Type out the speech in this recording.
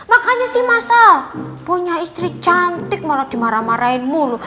makanya sih mas al punya istri cantik malah dimarah marahin mulu